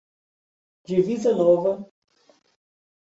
Divisa Nova